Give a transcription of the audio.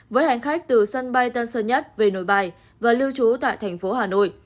với hành khách từ sân bay tân sơn nhất về nội bài và lưu trú tại thành phố hà nội